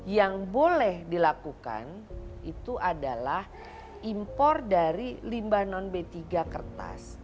yang boleh dilakukan itu adalah impor dari limbah non b tiga kertas